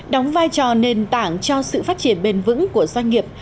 đóng vai trò nền tảng cho sự phát triển bền vững của doanh nghiệp